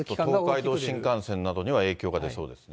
東海道新幹線などには影響が出そうですね。